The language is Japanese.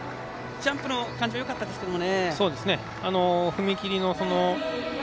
ジャンプの感じはよかったですがね。